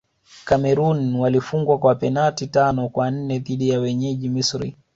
cameroon walifungwa kwa penati tano kwa nne dhidi ya wenyeji misri